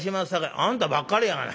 「あんたばっかりやがな！」。